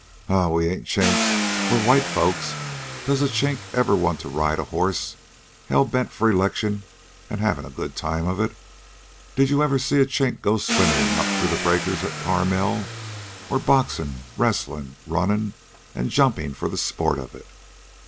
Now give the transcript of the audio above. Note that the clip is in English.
"Huh! We ain't Chinks. We're white folks. Does a Chink ever want to ride a horse, hell bent for election an' havin' a good time of it? Did you ever see a Chink go swimmin' out through the breakers at Carmel? or boxin', wrestlin', runnin' an' jumpin' for the sport of it?